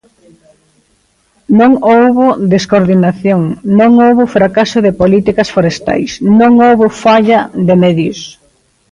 Non houbo descoordinación, non houbo fracaso de políticas forestais, non houbo falla de medios.